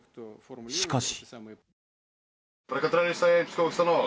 しかし。